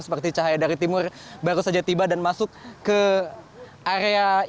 seperti cahaya dari timur baru saja tiba dan masuk ke area